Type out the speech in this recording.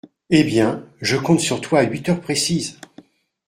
Eh bien, je compte sur toi à huit heures précises…